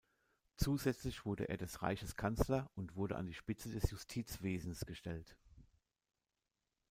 Zusätzlich wurde er des Reiches Kanzler und wurde an die Spitze des Justizwesens gestellt.